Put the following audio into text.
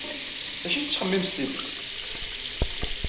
D acu ay tettxemmim s tidet?